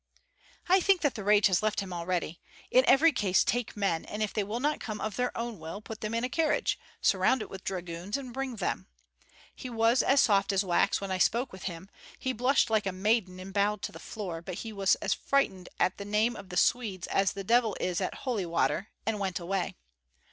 "I think that the rage has left him already. In every case take men, and if they will not come of their own will put them in a carriage, surround it with dragoons, and bring them. He was as soft as wax when I spoke with him; he blushed like a maiden and bowed to the floor, but he was as frightened at the name of the Swedes as the devil is at holy water, and went away.